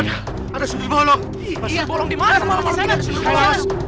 kehendak cari selamat harus ikutudding allah dia muss feedback nih ya maksudnya siendo maksudnya